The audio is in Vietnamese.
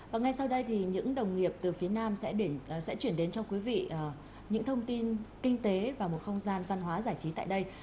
và ngay sau đây thì những đồng nghiệp từ phía nam sẽ chuyển đến cho quý vị những thông tin kinh tế và một không gian văn hóa giải trí tại đây